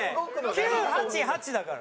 ９８８だから。